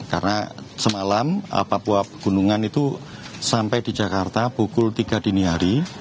karena semalam papua pegunungan itu sampai di jakarta pukul tiga dini hari